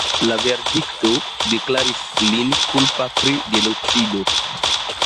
La verdikto deklaris lin kulpa pri genocido.